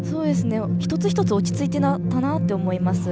一つ一つ落ち着いていたなと思います。